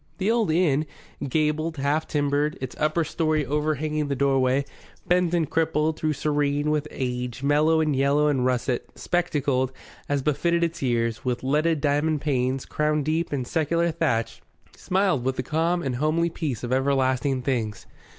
The old inn, gabled, half timbered, its upper story overhanging the doorway, bent and crippled, though serene, with age, mellow in yellow and russet, spectacled, as befitted its years, with leaded diamond panes, crowned deep in secular thatch, smiled with the calm and homely peace of everlasting things.